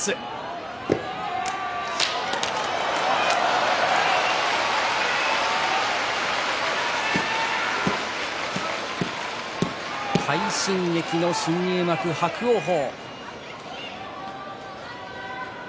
拍手快進撃の新入幕伯桜鵬。